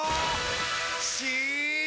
し！